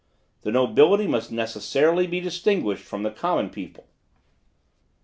The nobility must necessarily be distinguished from the common people."